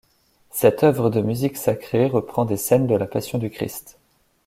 Cette œuvre de musique sacrée reprend des scènes de la Passion du Christ.